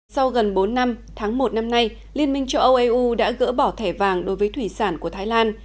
sau gần bốn năm tháng một năm nay liên minh châu âu eu đã gỡ bỏ thẻ vàng đối với thủy sản của thái lan